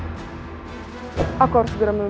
hanya ingin membel weeks selama se roget